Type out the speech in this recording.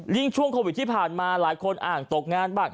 ช่วงโควิดที่ผ่านมาหลายคนอ่างตกงานบ้าง